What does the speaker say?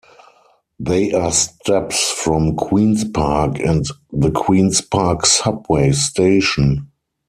They are steps from Queen's Park and the Queen's Park subway station.